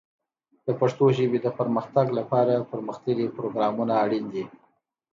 د پښتو ژبې د پرمختګ لپاره پرمختللي پروګرامونه اړین دي.